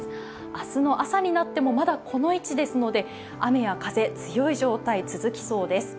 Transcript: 明日の朝になっても、まだこの位置ですので、雨や風、強い状態、続きそうです。